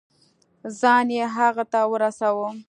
ځان يې هغه ته ورساوه.